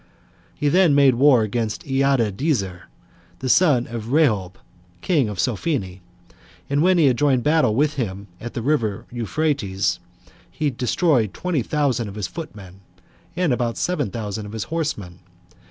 He then made war against Iadadezer, the son of Rehob, king of Sophene; 10 and when he had joined battle with him at 'the river Euphrates, he destroyed twenty thousand of his footmen, and about seven thousand of his horsemen.